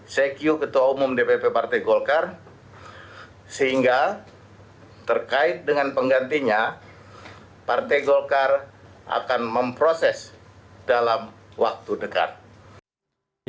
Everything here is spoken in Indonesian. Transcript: secu ketua umum dpp partai golkar sehingga terkait dengan penggantinya partai golkar akan memproses dalam waktu dekat